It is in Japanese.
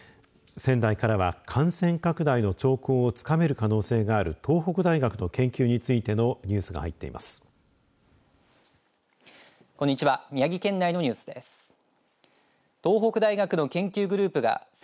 仙台からは感染拡大の兆候をつかめる可能性がある東北大学の研究についてのニュースが入っています。